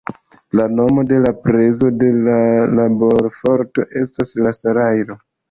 La nomo de la prezo de la laborforto estas la salajro.